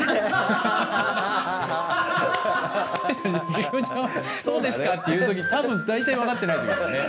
カレンちゃん「そうですか」って言う時多分大体分かってない時だよね。